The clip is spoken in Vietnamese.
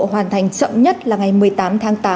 hoàn thành chậm nhất là ngày một mươi tám tháng tám